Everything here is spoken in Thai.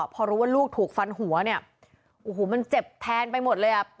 พอรู้ว่าลูกถูกฟันหัวเนี่ยโอ้โหมันเจ็บแทนไปหมดเลยอ่ะ